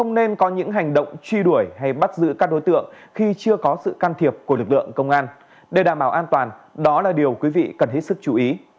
nên có những hành động truy đuổi hay bắt giữ các đối tượng khi chưa có sự can thiệp của lực lượng công an để đảm bảo an toàn đó là điều quý vị cần hết sức chú ý